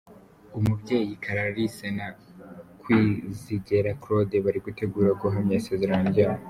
Umubyeyi Clarisse na Kwizigera Claude baritegura guhamya isezerano ryabo.